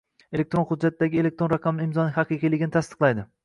elektron hujjatlardagi elektron raqamli imzoning haqiqiyligini tasdiqlaydi;